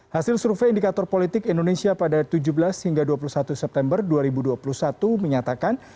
hasil survei indikator politik indonesia pada tujuh belas hingga dua puluh satu september dua ribu dua puluh satu menyatakan